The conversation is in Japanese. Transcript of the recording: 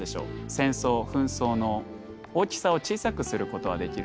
戦争紛争の大きさを小さくすることはできる。